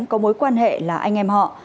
có mối quan hệ là anh em họ